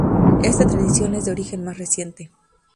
Esta tradición es de origen más reciente.